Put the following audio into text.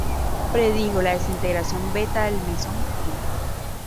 Predijo la desintegración beta del mesón pi.